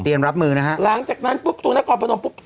รับมือนะฮะหลังจากนั้นปุ๊บตรงนครพนมปุ๊บ